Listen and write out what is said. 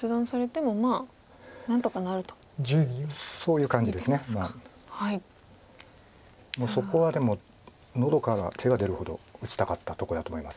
もうそこはでも喉から手が出るほど打ちたかったとこだと思います